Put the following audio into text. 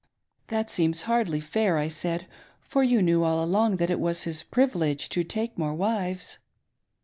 "That seems hardly fair," I said, " for you knew all along that it was his privilege to take more wives."